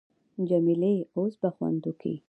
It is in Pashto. جمیلې اوس به خوند وکي.